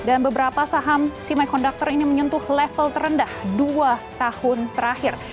dan beberapa saham semiconductor ini menyentuh level terendah dua tahun terakhir